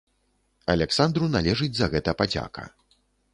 Аляксандру належыць за гэта падзяка.